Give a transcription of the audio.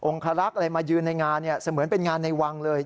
คารักษ์อะไรมายืนในงานเนี่ยเสมือนเป็นงานในวังเลย